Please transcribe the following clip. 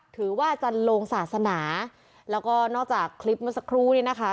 ถือว่าจะลงศาสนาแล้วก็นอกจากคลิปมันสักครู่นี่นะคะ